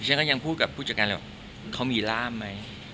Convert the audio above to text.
ฉันก็ยังพูดกับผู้จัดการเลยว่าเขามีร่ามไหม